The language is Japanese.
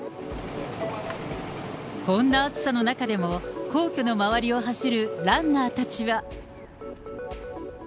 こんな暑さの中でも、皇居の周りを走るランナーたちは。